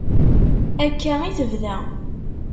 Akka i tebda.